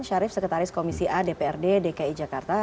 syarif sekretaris komisi a dprd dki jakarta